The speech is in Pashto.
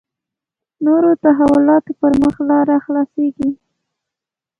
نورو تحولاتو پر مخ لاره خلاصېږي.